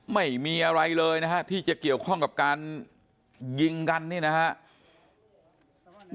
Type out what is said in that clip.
ไม่มีอะไรเลยนะฮะที่จะเกี่ยวข้องกับการยิงกันนี่นะครับ